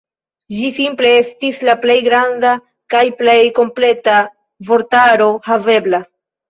Ĝi simple estis la plej granda kaj plej kompleta vortaro havebla.